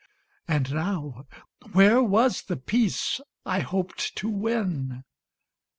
And now, where was the peace I hoped to win?